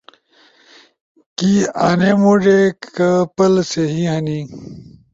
کی آنے موڙے کپل سہی ہنے؟